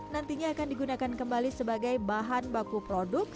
nantinya akan digunakan kembali sebagai bahan baku produk